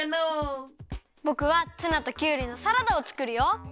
ぼくはツナときゅうりのサラダをつくるよ。